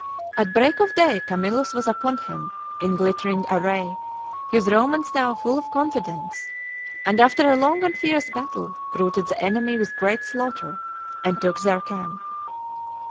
At break of day Camillus was upon him, in glittering array, his Romans now full of confidence, and after a long and fierce battle, routed the enemy with great slaughter and took their camp.